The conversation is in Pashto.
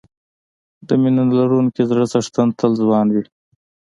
د مینه لرونکي زړه څښتن تل ځوان وي.